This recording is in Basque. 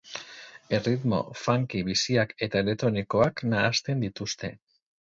Erritmo funky biziak eta elektronikoak nahasten dituzte.